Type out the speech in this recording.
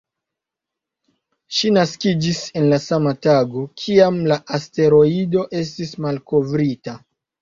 Ŝi naskiĝis la sama tago, kiam la asteroido estis malkovrita.